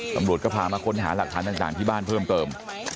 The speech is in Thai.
ตำรวจก็พามาค้นหาหลักฐานต่างที่บ้านเพิ่มเติม